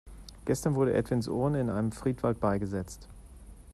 Gestern wurde Edwins Urne in einem Friedwald beigesetzt.